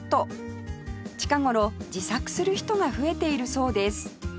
近頃自作する人が増えているそうです